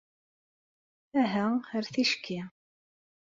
Aha, ar ticki.